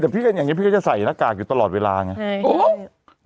พี่ก็จะใส่หน้ากากอยู่ตลอดเวลาไง